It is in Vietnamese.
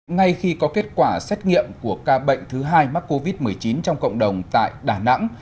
ngay khi có kết quả xét nghiệm của ca bệnh thứ hai mắc covid một mươi chín trong cộng đồng tại đà nẵng